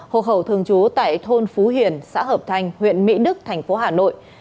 hộ khẩu thường trú tại thôn phú hiền xã hợp thành huyện mỹ đức thành phố hà nội